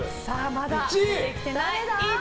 まだ出てきてない。